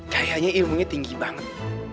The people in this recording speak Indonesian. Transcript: kayaknya ilmunya tinggi banget